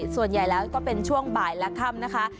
ส่วนใหญ่แล้วก็เป็นช่วงบ่ายและค่ำนะคะ